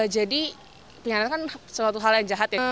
jadi pengkhianat kan suatu hal yang jahat ya